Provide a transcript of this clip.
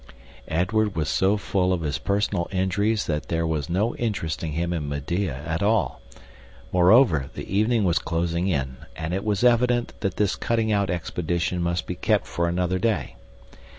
Edward was so full of his personal injuries that there was no interesting him in Medea at all. Moreover, the evening was closing in, and it was evident that this cutting out expedition must be kept for another day.